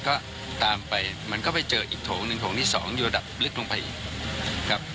ก็ตามไปมันก็ไปเจออีกโถงหนึ่งโถงที่สองอยู่ระดับลึกลงไปอีกครับ